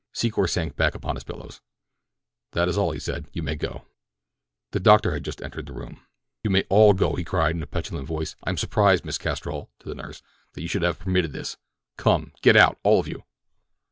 Secor sank back upon his pillow. "That is all," he said, "you may go." The doctor had just entered the room. "You may all go!" he cried in a petulant voice. "I am surprised, Miss Castrol," to the nurse, "that you should have permitted this—come, get out, all of you."